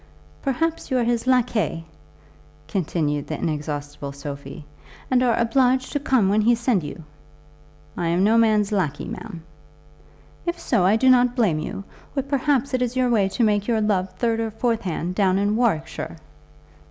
"Perhaps you are his laquais," continued the inexhaustible Sophie, "and are obliged to come when he send you?" "I am no man's laquais, ma'am." "If so, I do not blame you; or, perhaps, it is your way to make your love third or fourth hand down in Warwickshire?"